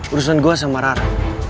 urusan gua sama rara